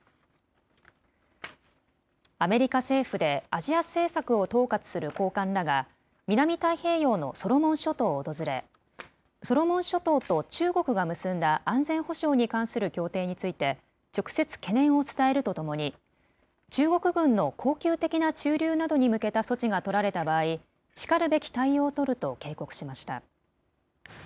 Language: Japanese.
アメリカ政府でアジア政策を統括する高官らが、南太平洋のソロモン諸島を訪れ、ソロモン諸島と中国が結んだ安全保障に関する協定について、直接懸念を伝えるとともに、中国軍の恒久的な駐留などに向けた措置が取られた場合、しかるべき対応を取ると警告しました。